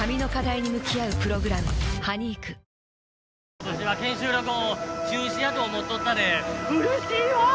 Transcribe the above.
今年は研修旅行中止やと思っとったで嬉しいわ！